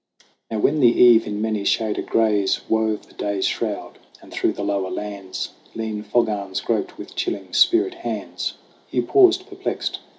Now when the eve in many shaded grays Wove the day's shroud, and through the lower lands Lean fog arms groped with chilling spirit hands, Hugh paused perplexed.